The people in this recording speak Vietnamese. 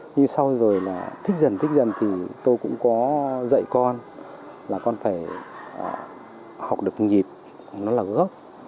như sau rồi là thích dần thích dần thì tôi cũng có dạy con là con phải học được nhịp nó là gốc